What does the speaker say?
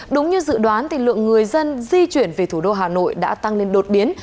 đúng như dự đoán lượng người dân di chuyển về thủ đô hà nội đã tăng lên đột biến